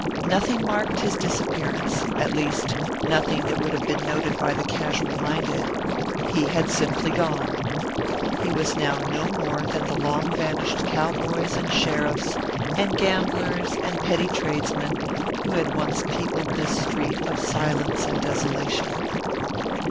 Nothing marked his disappearance, at least nothing that would have been noted by the casual minded. He had simply gone. He was now no more than the long vanished cowboys and sheriffs and gamblers and petty tradesmen who had once peopled this street of silence and desolation.